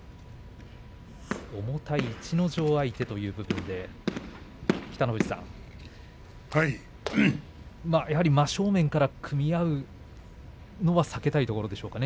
重たい逸ノ城相手に北の富士さん、やはり真正面から組み合うというのは避けたいところですかね